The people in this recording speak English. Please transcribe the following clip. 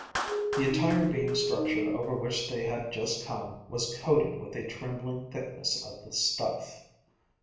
The entire beam structure over which they had just come was coated with a trembling thickness of the stuff.